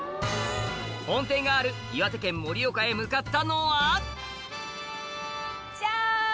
本店がある岩手県盛岡へ向かったのはジャン！